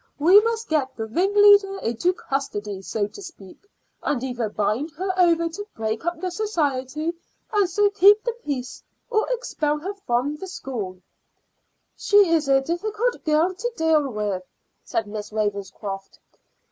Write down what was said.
"We must get the ringleader into custody, so to speak, and either bind her over to break up the society, and so keep the peace, or expel her from the school." "She is a difficult girl to deal with," said Miss Ravenscroft.